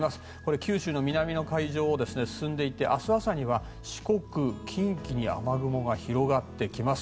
九州の南の海上を進んでいって明日朝には四国や近畿に雨雲が広がってきます。